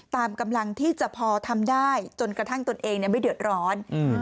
ตามกำลังที่จะพอทำได้จนกระทั่งตนเองไม่เดือดร้อน